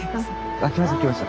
あっ来ました来ました